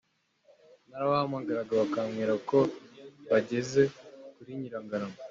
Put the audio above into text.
Narabahamagaraga bakambwira ngo bageze kuri Nyirangarama.